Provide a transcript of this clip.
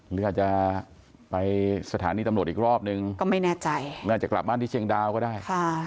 หรืออาจจะไปสถานีตำรวจอีกรอบนึงก็ไม่แน่ใจน่าจะกลับบ้านที่เชียงดาวก็ได้